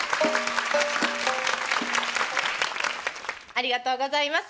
ありがとうございます。